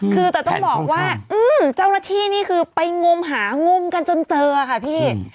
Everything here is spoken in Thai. คือแต่ต้องบอกว่าเจ้านัทธีไปงมหางมกันจนเจอค่ะพี่